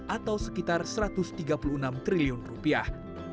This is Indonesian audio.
atau sekitar satu ratus tiga puluh enam triliun rupiah